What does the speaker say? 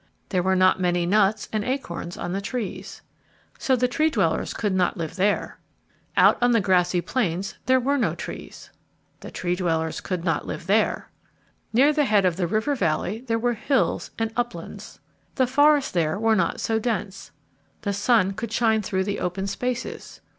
There were not many nuts and acorns on the trees. So the Tree dwellers could not live there. [Illustration: Acorns] Out on the grassy plains there were no trees. The Tree dwellers could not live there. Near the head of the river valley there were hills and uplands. The forests there were not so dense. The sun could shine through the open spaces.